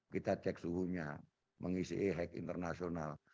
kita cek suhunya mengisi ehek internasional